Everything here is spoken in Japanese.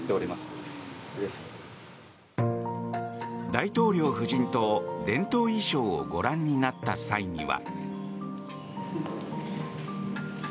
大統領夫人と伝統衣装をご覧になった際には。